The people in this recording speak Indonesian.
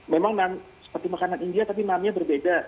memang naan seperti makanan india tapi naannya berbeda